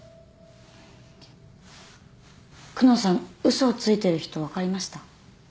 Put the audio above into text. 久能さん嘘をついてる人分かりました？